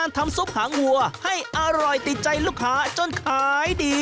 ต่ำเป็นมาเกิดเธศครับ